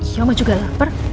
iya mama juga lapar